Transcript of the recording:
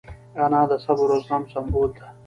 انا د صبر او زغم سمبول ده